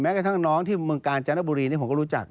แม้กระทั่งน้องที่เมืองกาลจานกบุรีเนี่ยผมก็รู้จัก